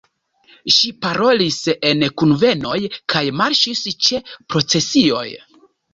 Ŝi parolis en kunvenoj kaj marŝis ĉe procesioj.